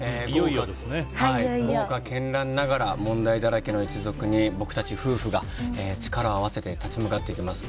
豪華絢爛ながら問題だらけの一族に僕たち夫婦が力を合わせて立ち向かっていきます。